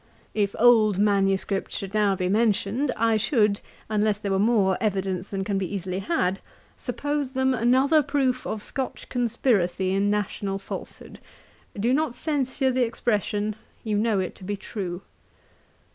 If old manuscripts should now be mentioned, I should, unless there were more evidence than can be easily had, suppose them another proof of Scotch conspiracy in national falsehood. 'Do not censure the expression; you know it to be true.